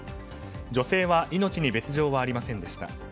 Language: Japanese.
女性は命に別条はありませんでした。